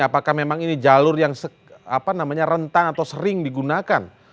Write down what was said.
apakah memang ini jalur yang apa namanya rentang atau sering digunakan